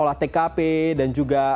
olah tkp dan juga